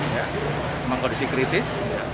memang kondisi kritis